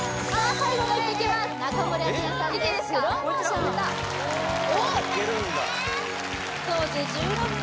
最後の１曲中森明菜さんで「スローモーション」当時１６歳